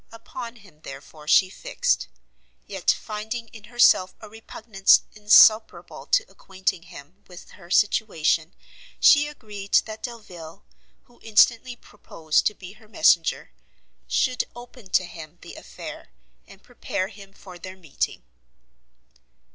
Upon him, therefore, she fixed; yet finding in herself a repugnance insuperable to acquainting him with her situation, she agreed that Delvile, who instantly proposed to be her messenger, should open to him the affair, and prepare him for their meeting.